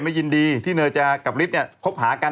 ยินดีที่เนยจะกับฤทธิ์เนี่ยคบหากัน